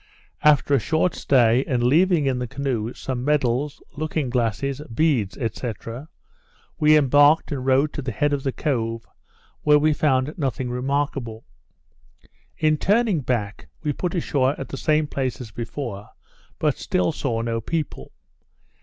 After a short stay, and leaving in the canoe some medals, looking glasses, beads, &c. we embarked and rowed to the head of the cove, where we found nothing remarkable. In turning back we put ashore at the same place as before; but still saw no people.